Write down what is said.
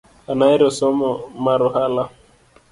An ahero somo mar ohala